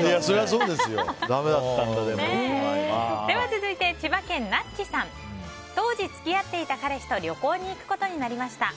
続いて、千葉県の方。当時付き合っていた彼氏と旅行に行くことになりました。